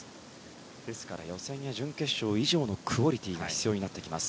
ですから予選や準決勝以上のクオリティーが必要になってきます。